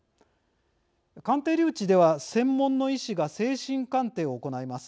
鑑定留置では専門の医師が精神鑑定を行います。